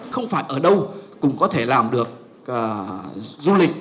không phải ở đâu cũng có thể làm được du lịch